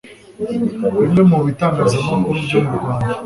bimwe mu bitangazamakuru byo mu rwanda